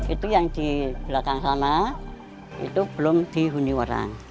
itu yang di belakang sana itu belum dihuni orang